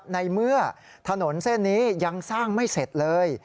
ในเมื่อถนนเส้นนี้ยังสร้างไม่เสร็จเลย